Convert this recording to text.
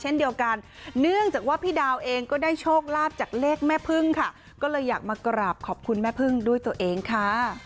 เช่นเดียวกันเนื่องจากว่าพี่ดาวเองก็ได้โชคลาภจากเลขแม่พึ่งค่ะก็เลยอยากมากราบขอบคุณแม่พึ่งด้วยตัวเองค่ะ